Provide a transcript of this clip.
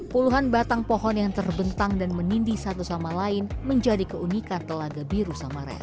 puluhan batang pohon yang terbentang dan menindi satu sama lain menjadi keunikan telaga biru samaren